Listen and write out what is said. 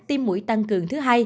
tiêm mũi tăng cường thứ hai